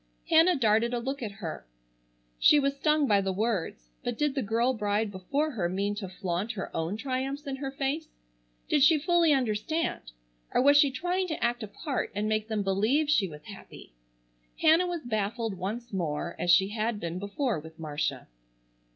Hannah darted a look at her. She was stung by the words. But did the girl bride before her mean to flaunt her own triumphs in her face? Did she fully understand? Or was she trying to act a part and make them believe she was happy? Hannah was baffled once more as she had been before with Marcia.